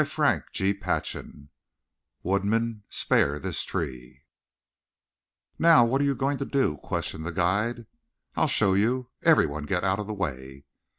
CHAPTER VIII WOODMAN, SPARE THIS TREE "Now, what are you going to do?" questioned the guide. "I'll show you. Everyone get out of the way."